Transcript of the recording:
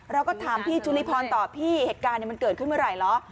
เราก็ถามพี่ชุลิพรต่อพี่เหตุการณ์มันเกิดขึ้นเมื่อไหร่เหรอ